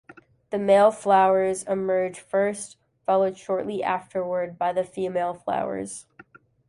The male flowers emerge first, followed shortly afterward by the female flowers.